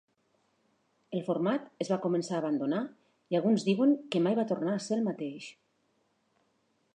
El format es va començar a abandonar i alguns diuen que mai va tornar a ser el mateix.